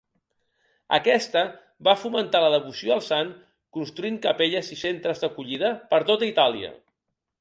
Aquesta va fomentar la devoció al sant construint capelles i centres d'acollida per tota Itàlia.